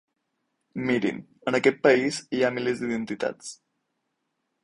Mirin, en aquest país hi ha milers d’identitats.